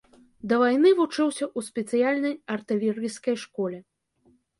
Да вайны вучыўся ў спецыяльнай артылерыйскай школе.